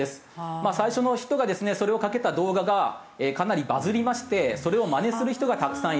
まあ最初の人がですねそれをかけた動画がかなりバズりましてそれをまねする人がたくさんいる。